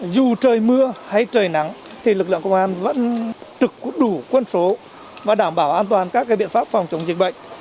dù trời mưa hay trời nắng thì lực lượng công an vẫn trực đủ quân số và đảm bảo an toàn các biện pháp phòng chống dịch bệnh